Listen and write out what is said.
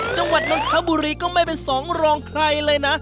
นนทบุรีก็ไม่เป็นสองรองใครเลยนะ